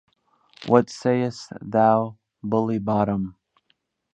What sayest thou, bully Bottom?